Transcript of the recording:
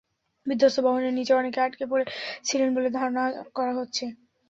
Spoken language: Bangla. বিধ্বস্ত ভবনের নিচে অনেকে আটকে পড়ে ছিলেন বলে ধারণা করা হচ্ছে।